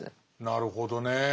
なるほどね。